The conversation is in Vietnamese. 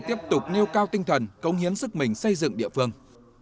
tiếp tục nêu cao tinh thần công hiến sức mình xây dựng địa phương